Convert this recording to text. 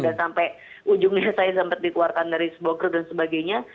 dan sampai ujungnya saya sampai dikeluarkan dari sebuah grup dan sebagainya